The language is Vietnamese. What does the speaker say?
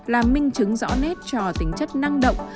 là minh chứng rõ nét cho tính chất năng động